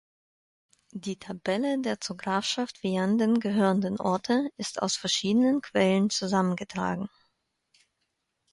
Die Tabelle der zur Grafschaft Vianden gehörenden Orte ist aus verschiedenen Quellen zusammengetragen.